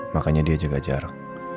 makanya dia jaga jarak